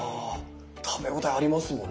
食べ応えありますもんね。